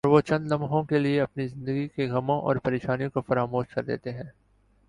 اور وہ چند لمحوں کے لئے اپنی زندگی کے غموں اور پر یشانیوں کو فراموش کر دیتے ہیں ۔